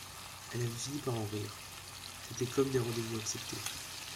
Elle avait fini par en rire, c'étaient comme des rendez-vous acceptés.